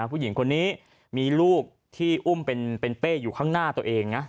ผู้หญิงคนนี้มีลูกที่อุ้มเป็นเป้อยู่ข้างหน้าตัวเองนะ